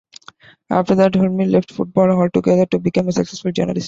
After that, Hulme left football altogether, to become a successful journalist.